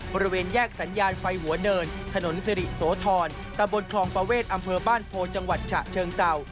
บริเวณแยกสัญญาณไฟหัวเนินถนนสิริโสธรตะบนคลองประเวทอำเภอบ้านโพจังหวัดฉะเชิงเศร้า